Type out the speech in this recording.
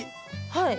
はい。